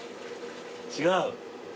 違う？